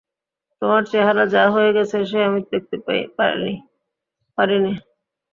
তোমার চেহারা যা হয়ে গেছে সে আমি চোখে দেখতে পারি নে।